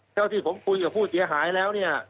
ที่ผมคุยกับผู้เสียหายแล้วเนี่ย